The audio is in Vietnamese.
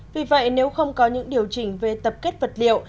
vì vậy nếu không có những điều chỉnh về tập kết vật liệu